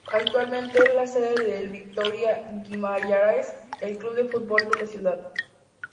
Actualmente es la sede del Vitoria Guimarães, el club de fútbol de la ciudad.